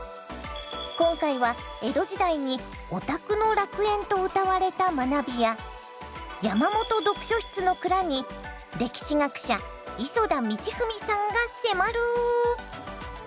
今回は江戸時代にオタクの楽園とうたわれた学びや山本読書室の蔵に歴史学者磯田道史さんが迫る。